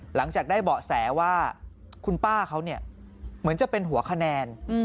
หลังจากได้เบาะแสว่าคุณป้าเขาเนี่ยเหมือนจะเป็นหัวคะแนน